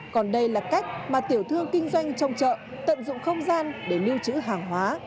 còn đây là cách mà tiểu thương kinh doanh trong chợ tận dụng không gian để lưu trữ hàng hóa